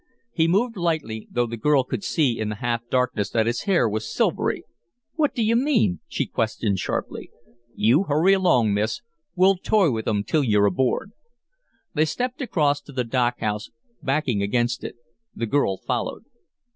He moved lightly, though the girl could see in the half darkness that his hair was silvery. "What do you mean?" she questioned, sharply. "You hurry along, miss; we'll toy with 'em till you're aboard." They stepped across to the dockhouse, backing against it. The girl followed.